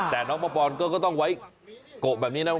แต่น้องมะปอนก็ต้องไว้โกะแบบนี้นะ